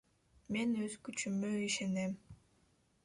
Мен өз күчүмө ишенем.